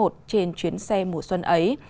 trên chuyến xe mùa xuân ấy